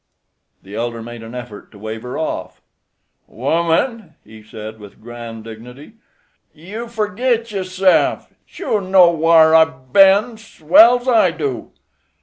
The elder made an effort to wave her off. "Woman," he said, with grand dignity, "you forgit yus sef; shu know ware I've ben 'swell's I do.